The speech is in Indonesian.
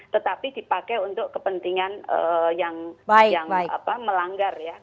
tetapi dipakai untuk kepentingan yang melanggar ya